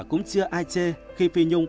cũng chưa ai chê khi phi nhung